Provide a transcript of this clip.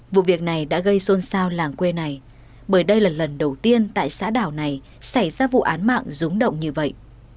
vụ việc này đã gây xôn xao làng quê này bởi đây là lần đầu tiên tại xã đảo này xảy ra vụ án mạng rúng động như vậy